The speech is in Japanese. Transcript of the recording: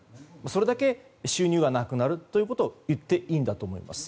それだけ収入がなくなるといっていいんだと思います。